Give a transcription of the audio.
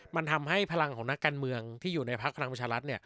มันทำให้พลังของนักการเมืองที่อยู่ในพักพลังประชารัฐ